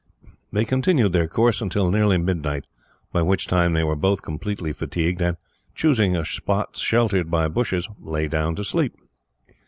They continued their course until nearly midnight, by which time they were both completely fatigued, and, choosing a spot sheltered by bushes, lay down to sleep.